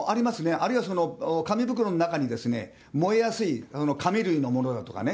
あるいは紙袋の中に、燃えやすい紙類のものだとかね、